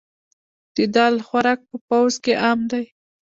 د دال خوراک په پوځ کې عام دی.